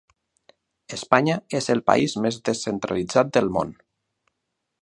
Espanya és el país més descentralitzat del món.